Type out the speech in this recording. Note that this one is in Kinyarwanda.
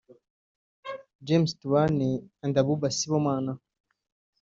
James Tubane and Abouba Sibomana